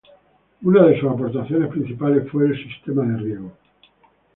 Una de sus aportaciones principales fue el sistema de riego.